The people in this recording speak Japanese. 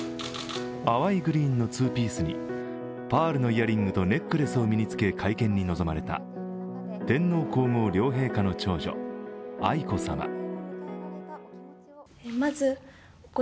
淡いグリーンのツーピースにパールのイヤリングとネックレスを身に着け会見に臨まれた天皇皇后両陛下の長女、愛子さま。